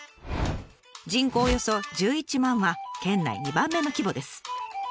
人口およそ１１万は県内２番目の規模です。